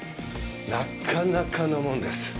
なかなかのもんです。